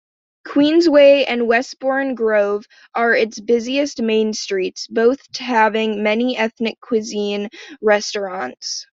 Queensway and Westbourne Grove are its busiest main streets, both having many ethnic-cuisine restaurants.